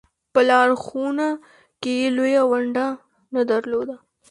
په لارښوونه کې یې لویه ونډه نه درلوده.